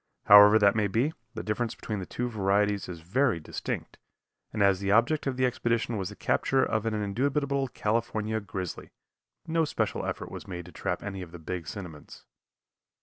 However that may be, the difference between the two varieties is very distinct, and as the object of the expedition was the capture of an indubitable California grizzly, no special effort was made to trap any of the big cinnamons.